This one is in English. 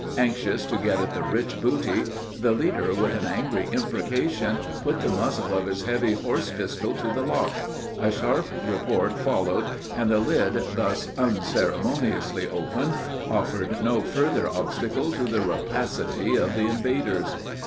Anxious to get at the rich booty, the leader, with an angry imprecation, put the muzzle of his heavy horse pistol to the lock; a sharp report followed, and the lid thus unceremoniously opened offered no further obstacle to the rapacity of the invaders.